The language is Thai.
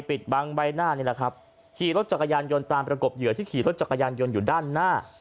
ปิดบังใบหน้านี่แหละครับขี่รถจักรยานยนต์ตามประกบเหยื่อที่ขี่รถจักรยานยนต์อยู่ด้านหน้า